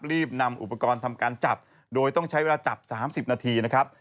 รีบนำอุปกรณ์ทำการจับโดยต้องใช้เวลาจับ๓๐นาทีนะครับ